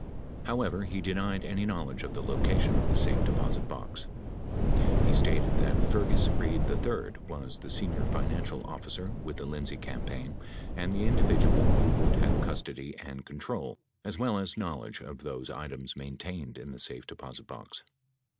However, he denied any knowledge of the location of the safe deposit box. He stated that Fergus Reid III was the senior financial official with the Lindsay campaign and the individual who would have custody and control, as well as knowledge of those items maintained in the safe deposit box.